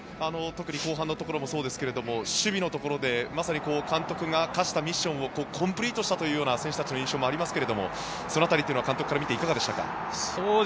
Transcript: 特に後半のところもそうですけど守備のところでまさに監督が課したミッションをコンプリートしたというような選手たちもありましたがその辺り、監督から見ていかがでしたか。